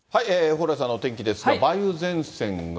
蓬莱さんのお天気ですが、梅雨前線が。